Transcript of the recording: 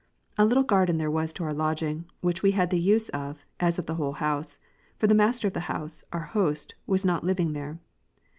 A little garden there was to our lodging, which we had the use of, as of the whole house ; for the master of the house, our host, was not living there.